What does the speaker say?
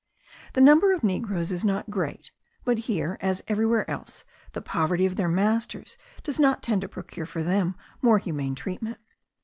The number of the negroes is not great; but here, as everywhere else, the poverty of their masters does not tend to procure for them more humane treatment.